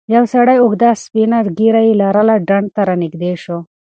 یو سړی چې اوږده سپینه ږیره یې لرله ډنډ ته رانږدې شو.